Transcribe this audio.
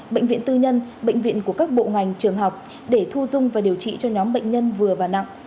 bệnh viện tư nhân bệnh viện của các bộ ngành trường học để thu dung và điều trị cho nhóm bệnh nhân vừa và nặng